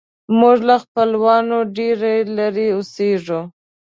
موږ له خپلوانو ډېر لیرې اوسیږو